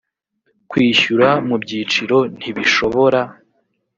kwishyura mu byiciro ntibishobora